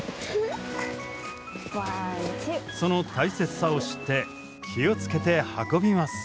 その大切さを知って気を付けて運びます。